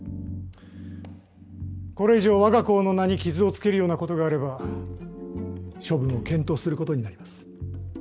これ以上わが校の名に傷を付けるようなことがあれば処分を検討することになります。